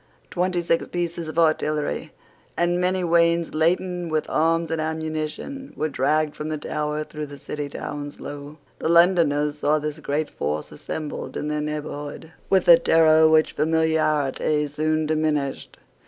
Twenty six pieces of artillery, and many wains laden with arms and ammunition, were dragged from the Tower through the City to Hounslow. The Londoners saw this great force assembled in their neighbourhood with a terror which familiarity soon diminished.